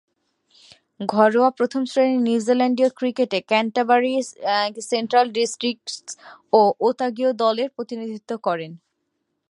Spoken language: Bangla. ঘরোয়া প্রথম-শ্রেণীর নিউজিল্যান্ডীয় ক্রিকেটে ক্যান্টারবারি, সেন্ট্রাল ডিস্ট্রিক্টস ও ওতাগো দলের প্রতিনিধিত্ব করেন।